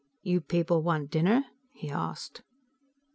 "You people want dinner?" he asked.